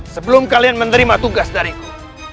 sebelum kalian menerima tugas dariku